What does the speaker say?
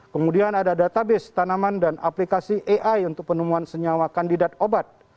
kemudian ada database tanaman dan aplikasi ai untuk penemuan senyawa kandidat obat